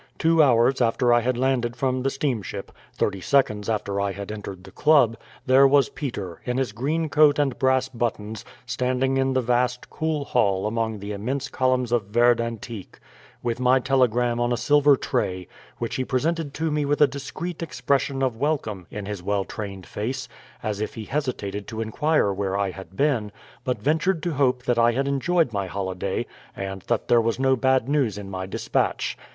Two hours after I had landed from the steamship, thirty seconds after I had entered the club, there was Peter, in his green coat and brass buttons, standing in the vast, cool hall among the immense columns of verd antique, with my telegram on a silver tray, which he presented to me with a discreet expression of welcome in his well trained face, as if he hesitated to inquire where I had been, but ventured to hope that I had enjoyed my holiday and that there was no bad news in my despatch.